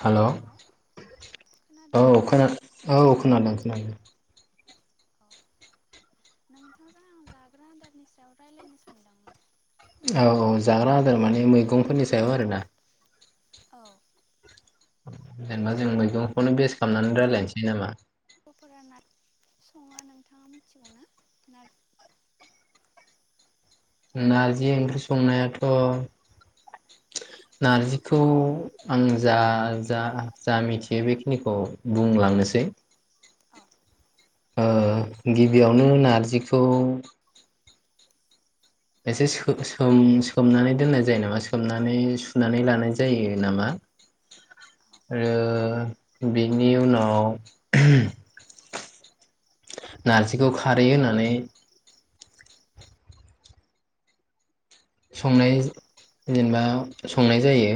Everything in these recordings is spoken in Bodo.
हेल' औ हेलौ खोनाद खोनादोंना औ। खोनादों खोनादों। औ नोंथांजों आं जाग्रा आदारनि सायाव रायलायनो सानदोंमोन। औ-औ जाग्रा आदार माने मैगंफोरनि सायाव आरोना? औ। [inaudible] जेनेबा जों मैगंखौनो बेस खालामनानै रायलायनोसै नामा? फोरा नार सङा नोंथाङा मिथिगौना नार [inaudible] नारजि ओंख्रि संनायाथ' नारजिखौ आं जा-जा-जा मिथियो बेखिनिखौ बुंलांनोसै। औ। ओ गिबियावनो नारजिखौ एसे सो सोम सोमनानै दोननाय जायो नामा सोमनानै सुनानै लानाय जायो नामा औ आरो बेनि उनाव नारजिखौ खारै होनानै संनाय जेनेबा संनाय जायो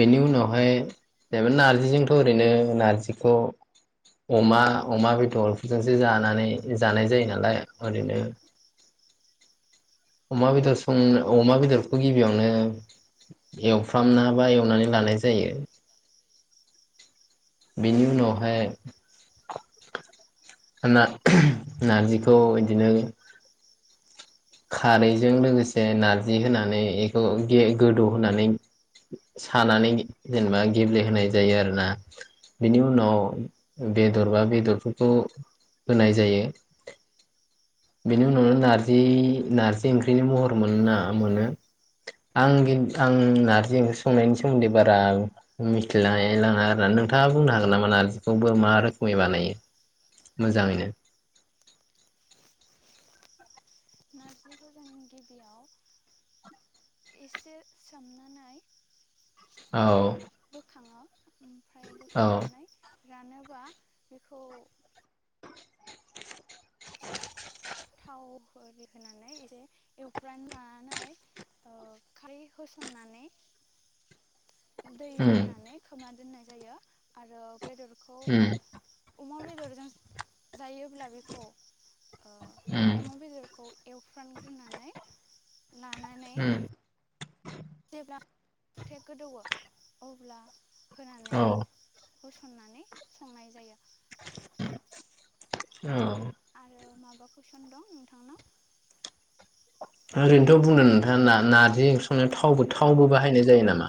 बेनि उनावहाय जेनेबा नार्जिजोंथ' ओरैनो नारजिखौ अमा अमा बेदरफोरजोंसो जानानै जानाय जायो नालाय ओरैनो अमा बेदर संनो अमा बेदरखौ गिबियावनो एवफ्रामना बा एवनानै लानाय जायो। बेनि उनावहाय नार नारजिखौ इदिनो खारैजों लोगोसे नारजि होनानै इखौे गे गोदौहोनानै सानानै जेनेबा गेब्लेहोनाय जायो आरोना बेनि उनाव बेदरबा बेदर फोरखौ होनाय जायो। बेनि उनावनो नारजि नारजि ओंख्रिनि महर मोनाङा मोनो आं खिन आं नारजि ओंख्रि संनायनि सोमोन्दै बारा मिथिलायलाङा आरो ना नोंथाङा बुंनो हागोन नामा नारजिखौबो मा रोखोमै बानायो मोजाङैनो नारजिखौ जों गिबियाव एसे सोमनानै औ। बोखाङो ओमफ्राय औ। बोखांनानै रानोबा बेखौ [inaudible] थाव ओरि होनानै एसे एवफ्रानानै लानानै ओ खारै होसननानै [inaudible] ओम। होनानै खोबना दोननाय जायो आरो [inaudible] बेदरखौ अमा बेदरजों [inaudible] जायोब्ला बेखौ उम [inaudible] अमा बेदरखौ एवफ्रानग्रोनानै लाना होम जेब्ला [inaudible] गोदौवो अब्ला हो औ होसननानै संनाय जायो [inaudible] औ बा कुइसन दं नोंथांनाव आरो थ बुंदो नोंथाङा ना नारजि ओंख्रै संनायाव थाव थावबो बाहायनाय जायो नामा?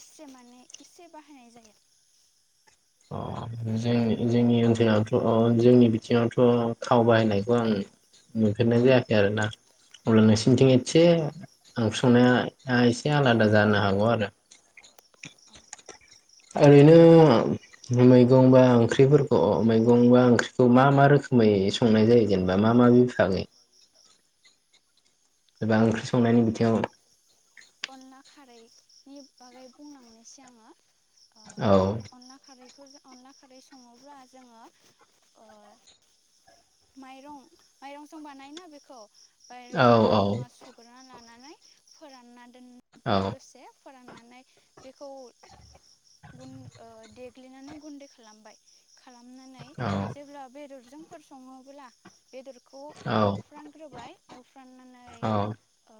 एसे माने एसे बाहायनाय जायो अ जों जोंनि ओनसोलावथ अ जोंनि बिथिङावथ थाव बाहायनायखौ आं नुफेरनाय जायाखै आरोना अब्ला औ नोंसिथिं एसे संनाया एसे आलादा जानो हागौ आरो औ ओरैनो मैगं बा ओंख्रिफोरखौ अ मैगं बा ओंख्रिखौ मा मा रोखोमै संनाय जायो जेनेबा मा मा बिभागै एबा ओंख्रि संनायनि बिथिंङाव नि बागै बुंलांनोसै आंङो आ औ अनला खारै खौ जों अनला खारै संङोब्ला जोंङो ओ माइरं माइरंजों बानायो ना बेखौ औ बाइरंफोरखौ औ जोंङो सुग्रोना लाना नै फोरानना औ दोनबाय दसे फोराननानै बेखौ गुन ओ दे ग्लिनानै गुन्दै खालामबाय खालामनानै औ जेब्ला बेदर जोंफोर संङोब्ला बेदरखौ औ एवफ्रानग्रोबाय एवफ्राननानै औ ओ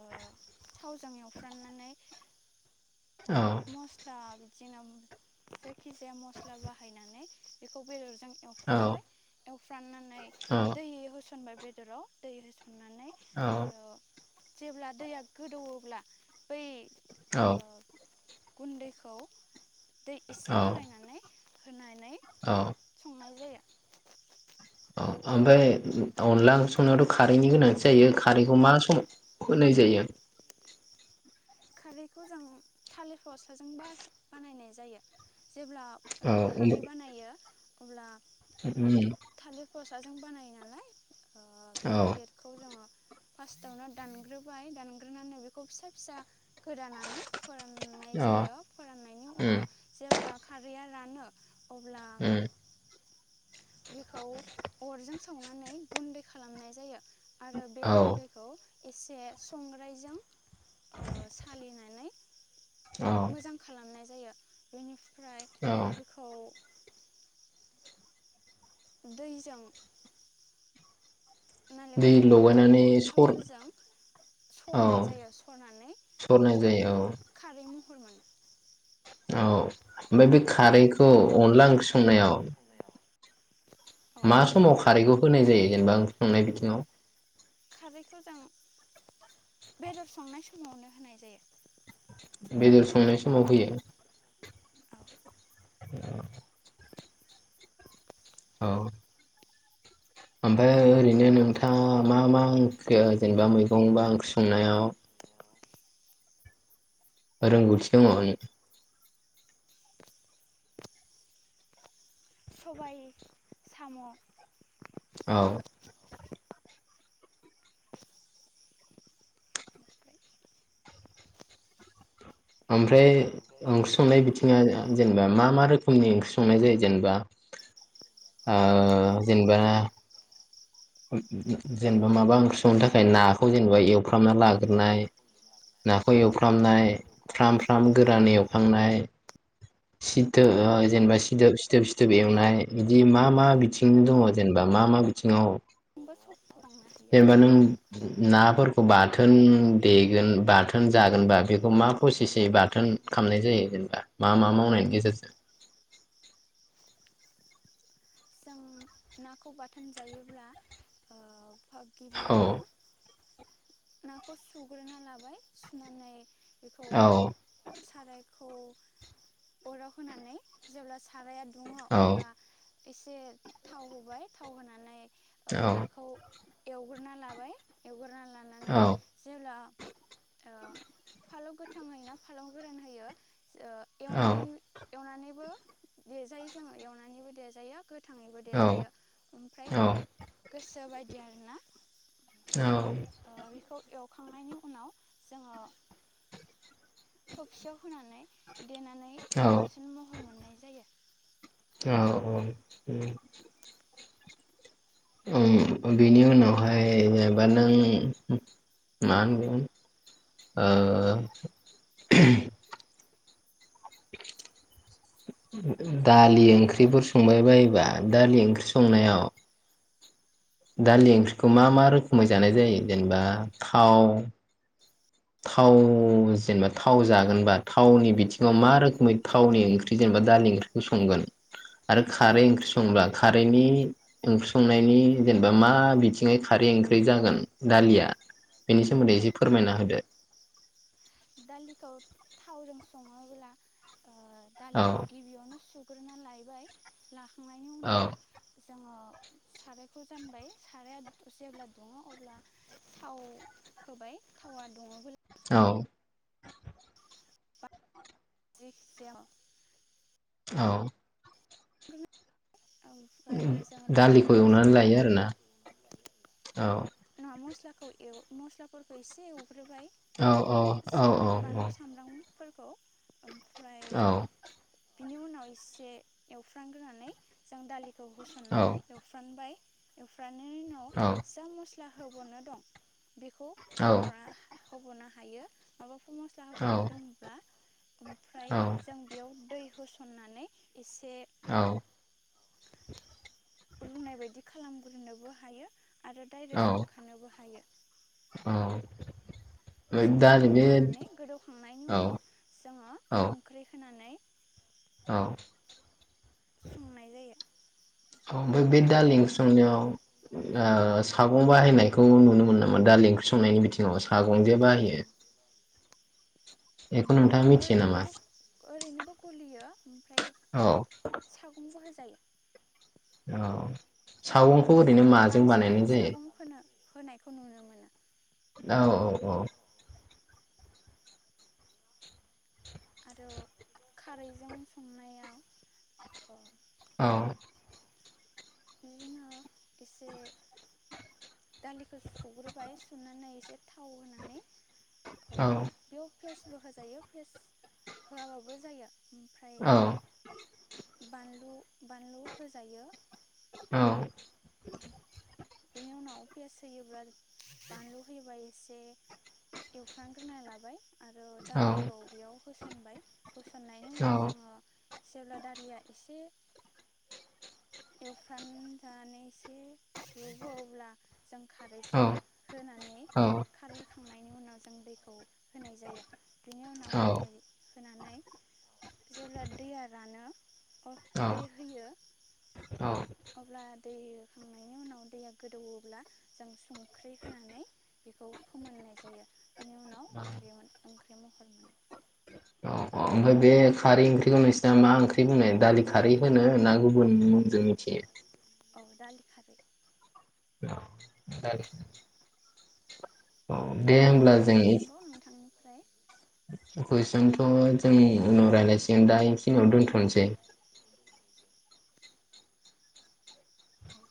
थावजों एव फ्राननानै मस्ला बि जिङोम जायखिजाया मस्ला बाहायनानै बेखौ बेदर जों औ एवफ्रानबाय एवफ्राननानै दै होसनबाय बेदराव दै हो जेब्ला दैया गोदौवोब्ला बै [inaudible] ओ [inaudible] गुन्दैखौ [inaudible] दै एसे औ गलायनानै [inaudible] होनाय औ [inaudible] संनाय जायो [inaudible] उम। [inaudible] आओमफ्राय अनला संनायावथ' खारैनि गोनांथि जायो खारैखौ मा औ समाव होनाय जायो? खारैखौ जों थालिर फस्लाजों बा बानायनाय जायो [inaudible] जेब्ला खारै बानायो [inaudible] अब्ला [inaudible] उम। थालिर फस्लाजों बानायो नालाय [inaudible] औ थालिरखौ जोङो [inaudible] फार्स्टआवनो दानग्रोबाय दानग्रोनानै बेखौ फिसा फिसा [inaudible] गोदानानै फोराननाय जायो फोराननायनि उनाव जेब्ला [inaudible] खारैया रानो [inaudible] अब्ला बेखौ अरजों [inaudible] सावनानै गुन्दै खालामनाय [inaudible] जायो आरो बे औ गुन्दैखौ [inaudible] एसे संग्रायजों [inaudible] सालिनानै मोजां खालामनाय जायो [inaudible] जायो बेनि [inaudible] ओमफ्राय औ बेखौ [inaudible] दैजों [inaudible] दै नालेंखरनि बिदि लगायनानै सर खलथाफोरजों औ सरनाय जायो सरनानै सरनाय बियो जायो औ खारै [inaudible] [inaudible] औ ओमफ्राय बे खारै खारैखौ अनला ओंख्रि संनायाव। औ मा समाव खारैखौ होनाय जायो जेनेबा ओंख्रि संनाय बिथिङाव? खारैखौ जों बेदर संनाय समावनो होनाय जायो [inaudible] बेदर संनाय समाव होयो [inaudible] औ उ [inaudible] औ। ओमफ्राय ओरैनो नोंथाङा मा मा ओंख्रि जेनेबा मैगं बा ओंख्रि संनायाव [inaudible] रोंगौथि दंङनो सबाय साम औ ओमफ्राय ओंख्रि संनाय बिथिंङा जेनेबा मा मा रोखोमनि ओंख्रि संनाय जायो जेनेबा ओ जेनेबा जेनेबा माबा ओंख्रि संनो थाखाय नाखौ जेनेबा एवफ्रामना लाग्रोनाय नाखौ एवफ्रामनाय फ्राम फ्राम गोरान एवखांनाय सिदोब जेनेबा सिदोब सिदोब सिदोब एवनाय बिदि मा मा बिथिं दंङ जेनेबा मा मा बिथिंङाव जोंबो [unintelligible] जेनेबा नों नाफोरखौ बाथोन देगोन बाथोन जागोनबा बेखौ मा फ्रसेसयै बाथोन खामनाय जायो जेनेबा मा मा मावनायनि गेजेरजों जों नाखौ बाथोन जायोब्ला ओ औ गिबियावनो नाखौ सुग्रोना लाबाय सुनानै बेखौ औ सारायखौ अराव होनानै जेब्ला साराया दुंङो औ अब्ला एसे थाव होबाय थाव होनानै ओ नाखौ एवग्रोना लाबाय एवग्रोना ला औ अब्ला ओ फालौ गोथां होयोना फालौ गोरान होयो ओ एवनानै एवनानैबो दे जायो जोंङो एवनानैबो देजायो जायो गो थाङैबो देजायो ओमफ्राय गोसो बाय [unintelligible] औ बेखौ एवखांनायनि उनाव जोंङो थफसियाव होनानै देनानै बाथोन महर मोननाय जायो औ औ बेनि उनावहाय जेनेबा नों मा होनगोन ओ दालि ओंख्रिफोर संबाय बायोबा दालि ओंख्रि संनायाव दालि ओंख्रिखौ मा मा रोखोमै जानाय जायो जेनेबा थाव थाव जेनेबा थाव जागोनबा थावनि बिथिङाव मा रोखोमै थावनि ओंख्रि जेनेबा दालि ओंख्रिखौ संगोन आरो खारै औ ओंख्रि संब्ला खारैनि ओंख्रि संनायनि जेनेबा मा बिथिङै बेनि सोमोन्दै औ एसे फोरमायना होदो दालिखौ थावजों संङोब्ला ओ औ दालिखौ गिबियावनो सु सुग्रोना लायबाय लाखां औ जोंङो सारायखौ जानबाय साराया जेब्ला दुंङो अब्ला थाव होबाय थावा दुंङोब औ [unintelligible] औ। [inaudible] ओमफ्राय जोङो दालिखौ एवनानै लायो होसनबाय आरोना औ ना मस्ला। [inaudible] खौ एउ मस्लाफोरखौ एसे। [inaudible] ह्रोबाय औ औ औ औ बानलु सामब्राम। [inaudible] फोरखौ ओमफ्रा। [inaudible] औ। बिनि उनाव एसे। [inaudible] एवफ्रांग्रोनानै जों दालि। [inaudible] खौ औ होसननानै एवफ्रामबाय। [inaudible] एउफ्रा। [inaudible] नै उनाव औ जा मस। [inaudible] ला होबावनो दं। [inaudible] बेखौ होब औ ना। [inaudible] खबनो हायो माबा। [inaudible] मस्ला औ होबावनो दङब्ला। [inaudible] ओमफ्राय जों बेयाव दै होस। [inaudible] नानै एसे। [inaudible] औ रुनाय बायदि खालामग्रोनोबो हायो। [inaudible] आरो औ डायरेक्ट संखानोबो हायो। [inaudible] औ औ बेजोंनो दा बे गोदौनानै गोदौखांनायनि औ उनाव जोङो औ संख्रि होनानै। [inaudible] औ। संनाय जायो। [inaudible] औ ओमफ्राय बे दालि महर ओंख्रि मोननाय जायो संनायाव सागं बाहायनायखौ नुनो मोनो नामा दालि ओंख्रि संनायनि बिथिङाव औ सागं जे बाहायो। साम' बेखौ नोंथाङा मिथियो नामा ओरैनोबो ओरैनोबो गलियो। [inaudible] ओमफ्राय औ सागंबो हो। [inaudible] औ। सागंखौ ओरैनो माजों बांसिनानो बानायनाय जायो। सागं होनो होनायखौ नुनो मोनो। [inaudible] औ औ औ। आरो खारैजों संनायाव। [inaudible] औ। बिदिङनो एसे दालिखौ सुग्रोबाय सुनानै एसे थाव होनानै। [inaudible] अ औ बेयाव। [inaudible] फेसबो हो जायो फेस। [inaudible] होआबाबो जायो [inaudible] ओमफ्राय औ बानलु बानलु होजायो औ [unintelligible] बेनि उनाव पियास होयोब्ला बानलु होयोबा एसे एवफ्रानग्रोना लाबाय आरो औ दालिखौ बेयाव होस [unintelligible] होसननायनि उनाव जोंङो जेब्ला दालिया एसे एवफ्रान जानानै एस [unintelligible] खारैखौ होनानै औ औ खारै होखांनायनि उनाव जों दैखौ होनाय जायो बिनि उनाव औ औ होनाय होनानै जेब्ला दैया रानो अर दै होयो अब्ला दै होयो खांनायनि उनाव दैया गोदौवोब्ला जों संख्रै होनानै बेखौ फोमोननाय जायो बिनि उनाव ओंख्रि [unintelligible] ओंख्रि [unintelligible] औ -औ ओमफ्राय बे खारि ओंख्रिखौ नोंसिना मा ओंख्रि बुंङो दालि खारै होनो ना गुबुन मुंजों मिथियो औ दालि खारै [unintelligible] औ दे आरो होमब्ला माबा जों कुइसनबाव नोंथांनिफ्राय नोंथ जोंनि उनाव रायलायसिगोन दा एसे उनाव दोनथ'नोसै औ